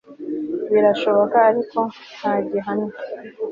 birashoboka ariko ntagihamya